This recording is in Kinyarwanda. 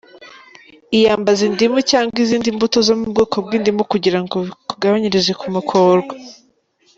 Iyambaze indimu cyangwa izindi mbuto zo mu bwoko bw’indimu kugira ngo bikugabanirize kumokorwa,.